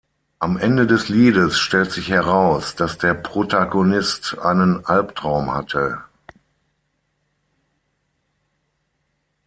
Am Ende des Liedes stellt sich heraus, dass der Protagonist einen Albtraum hatte.